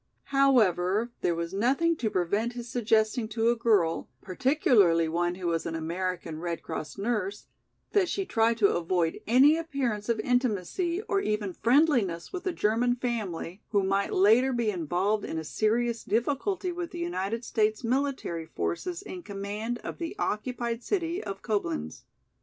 However, there was nothing to prevent his suggesting to a girl, particularly one who was an American Red Cross nurse, that she try to avoid any appearance of intimacy or even friendliness with a German family, who might later be involved in a serious difficulty with the United States military forces in command of the occupied city of Coblenz.